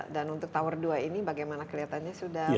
dan untuk tower dua ini bagaimana kelihatannya sudah mulai